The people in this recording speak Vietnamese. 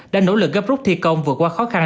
đã nỗ lực gấp rút thi công vượt qua khó khăn